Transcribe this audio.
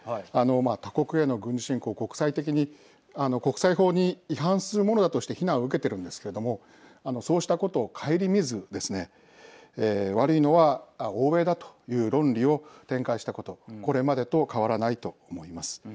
他国への軍事侵攻、国際的に国際法に違反するものだとして非難を受けているんですけどもそうしたことを顧みずですね悪いのは欧米だという論理を展開したことこれまでと変わらないと思います。